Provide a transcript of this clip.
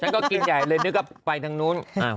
ก็กินใหญ่เลยนึกว่าไปทางนู้น